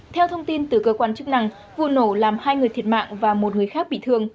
theo thông tin từ cơ quan chức năng vụ nổ làm hai người thiệt mạng và một người khác bị thương